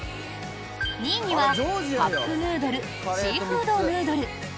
２位にはカップヌードルシーフードヌードル。